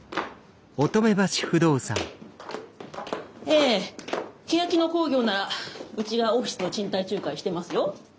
ええけやき野興業ならうちがオフィスの賃貸仲介してますよ。